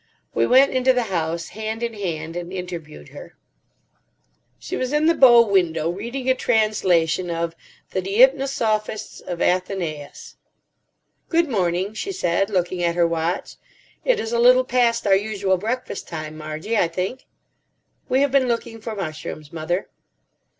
We went into the house, hand in hand, and interviewed her. She was in the bow window, reading a translation of The Deipnosophists of Athenaeus. "Good morning," she said, looking at her watch. "It is a little past our usual breakfast time, Margie, I think?" "We have been looking for mushrooms, mother."